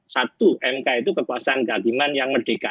satu mk itu kekuasaan kehakiman yang merdeka